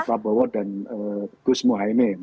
pak sabowo dan gus mohaimin